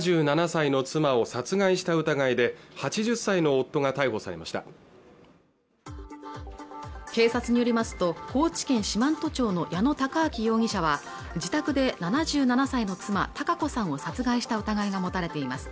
７７歳の妻を殺害した疑いで８０歳の夫が逮捕されました警察によりますと高知県四万十町の矢野孝昭容疑者は自宅で７７歳の妻堯子さんを殺害した疑いが持たれています